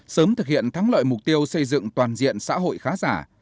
sớm thực hiện thắng lợi mục tiêu xây dựng toàn diện xã hội khá giả